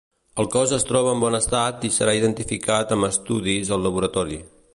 El cos es troba en bon estat i serà identificat amb estudis al laboratori.